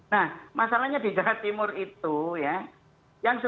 nah masalahnya di jawa timur itu ya